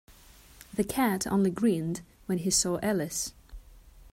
The Cat only grinned when it saw Alice.